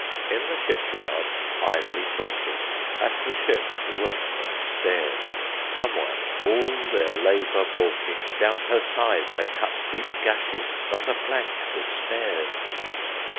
In the ship yard, idly talking, At the ship the workmen stared: Some one, all their labor balking, Down her sides had cut deep gashes, Not a plank was spared!